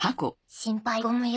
心配ご無用。